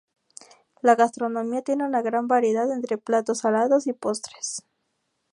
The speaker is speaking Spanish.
La gastronomía tiene una gran variedad entre platos salados y postres.